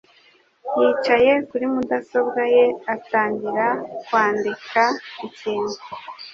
yicaye kuri mudasobwa ye atangira kwandika ikintu.